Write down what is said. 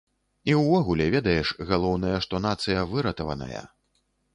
І ўвогуле, ведаеш, галоўнае, што нацыя выратаваная.